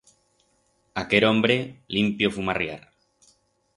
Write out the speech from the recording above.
Aquer hombre, limpio fumarriar.